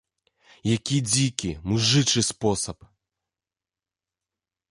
Які дзікі, мужычы спосаб.